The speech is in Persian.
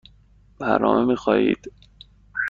برنامه می خواهید؟